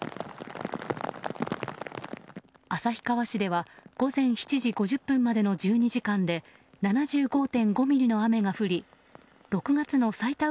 旭川市では午前７時５０分までの１２時間で７５．５ミリの雨が降り６月の最多